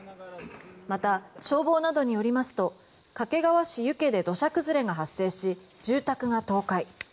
また、消防などによりますと掛川市遊家で土砂崩れが発生し住宅が倒壊。